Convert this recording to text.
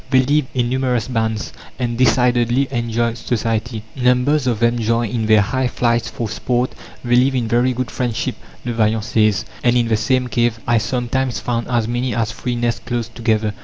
They live in numerous bands, and decidedly enjoy society; numbers of them join in their high flights for sport. "They live in very good friendship," Le Vaillant says, "and in the same cave I sometimes found as many as three nests close together."